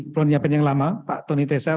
bupati pulau nyapen yang lama pak tony tesar